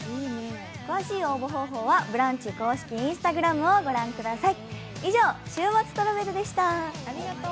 詳しい応募方法は「ブランチ」公式Ｉｎｓｔａｇｒａｍを御覧ください。